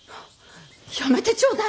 やめてちょうだい。